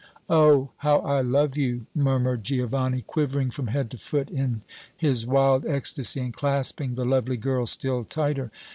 "Oh! how I love you!" murmured Giovanni, quivering from head to foot in his wild ecstasy, and clasping the lovely girl still tighter.